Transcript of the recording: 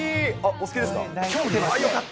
お好きですか？